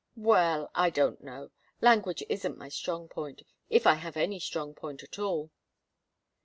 "Well I don't know. Language isn't my strong point, if I have any strong point at all."